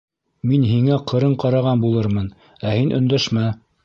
Мин һиңә ҡырын ҡараған булырмын, ә һин өндәшмә.